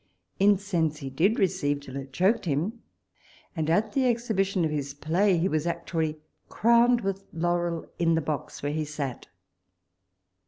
In cense he did receive till it choked him ; and, at the exhibition of his play, he was actually crowned with laurel in the box where he sat.